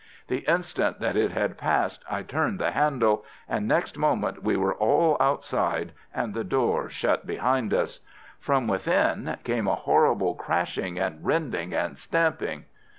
The instant that it had passed I turned the handle, and next moment we were all outside and the door shut behind us. From within came a horrible crashing and rending and stamping.